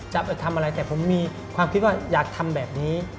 จะไปทำอะไรแต่ผมมีความคิดว่าอยากทำแบบนี้